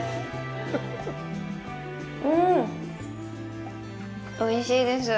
うん、おいしいです。